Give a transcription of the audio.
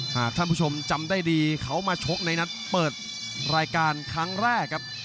หากท่านผู้ชมจำได้ดีเขามาชกในนัดเปิดรายการครั้งแรกครับ